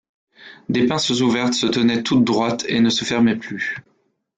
Des pinces ouvertes se tenaient toutes droites et ne se fermaient plus.